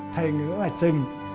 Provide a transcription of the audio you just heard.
thầy ngưỡng hải trưng